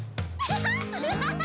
ハハハハ！